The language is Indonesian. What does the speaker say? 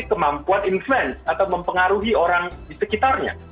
kemampuan influence atau mempengaruhi orang di sekitarnya